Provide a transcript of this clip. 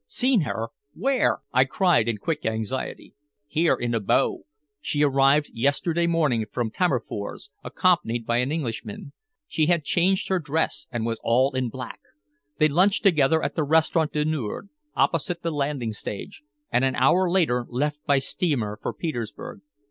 "Seen her! Where?" I cried in quick anxiety. "Here, in Abo. She arrived yesterday morning from Tammerfors accompanied by an Englishman. She had changed her dress, and was all in black. They lunched together at the Restaurant du Nord opposite the landing stage, and an hour later left by steamer for Petersburg."